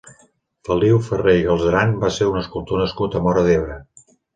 Feliu Ferrer i Galzeran va ser un escultor nascut a Móra d'Ebre.